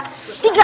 apa itu barusan